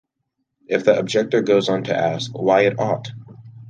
If the objector goes on to ask, why it ought?